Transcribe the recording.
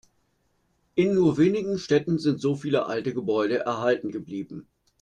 In nur wenigen Städten sind so viele alte Gebäude erhalten geblieben.